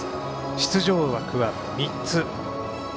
出場枠は３つ。